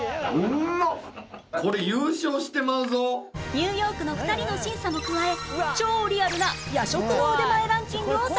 ニューヨークの２人の審査も加え超リアルな夜食の腕前ランキングを作成